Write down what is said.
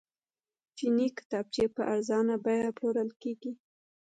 چیني کتابچې په ارزانه بیه پلورل کیږي.